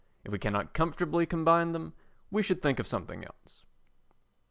If we cannot comfortably combine them, we should think of something else.